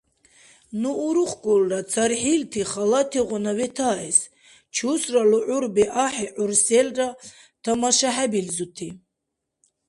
Ну урухкӀулра цархӀилти халатигъуна ветаэс, чусра лугӀурби ахӀи, гӀур селра тамашахӀебилзути.